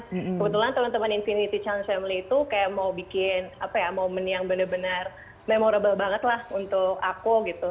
kebetulan temen temen infinity challenge family itu kayak mau bikin apa ya momen yang bener bener memorable banget lah untuk aku gitu